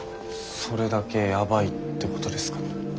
それだけやばいってことですかね。